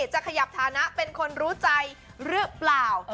จะขยับฐานะเป็นคนรู้ใจหรือเปล่า